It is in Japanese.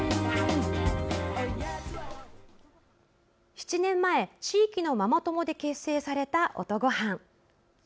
７年前、地域のママ友で結成された音ごはん。